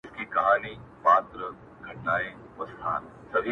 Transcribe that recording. پوهېږم چي زما نوم به دي له یاده وي وتلی-